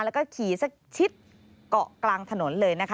แล้วก็ขี่สักชิดเกาะกลางถนนเลยนะคะ